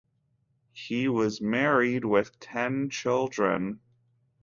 He was married with ten children.